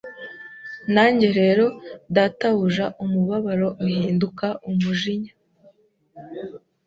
Nanjye rero Databuja umubabaro uhinduka umujinya